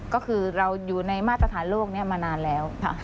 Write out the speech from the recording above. ก็คือเราอยู่ในมาตรฐานโลกนี้มานานแล้ว